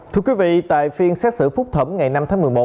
thưa quý vị tại phiên xét xử phúc thẩm ngày năm tháng một mươi một